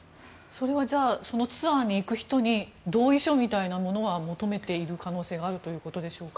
それはそのツアーに行く人に同意書みたいなものは求めている可能性はあるということでしょうか？